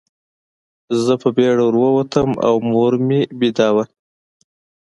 زه په بېړه ور ووتم او مور مې ویده وه